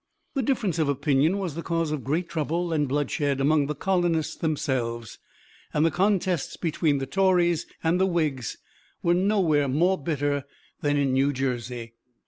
This difference of opinion was the cause of great trouble and bloodshed among the colonists themselves, and the contests between the Tories and the Whigs were nowhere more bitter than in New Jersey.